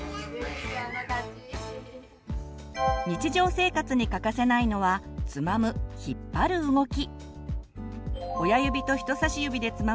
日常生活に欠かせないのはつまむ引っ張る動き。